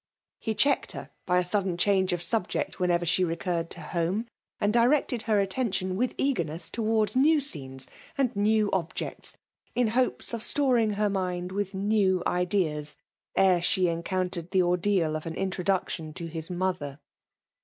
He checked her by a sudden change of subject whenever she recurred to home, and directed her attention with eagerness to wards new scenes and new objects^ in hopes of storing her mind with new ideas ere she encoimtered the ordeal of an introduction to his mother.